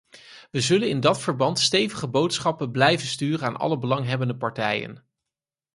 We zullen in dat verband stevige boodschappen blijven sturen aan alle belanghebbende partijen.